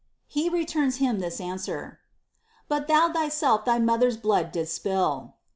91 he returns him this answer, But thou thyself thy mother's blood did spill.